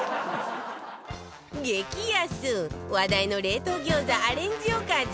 激安話題の冷凍餃子アレンジおかず